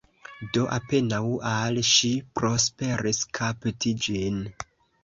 Do apenaŭ al ŝi prosperis kapti ĝin.